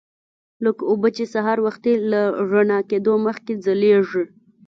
لکه اوبه چې سهار وختي له رڼا کېدو مخکې ځلیږي.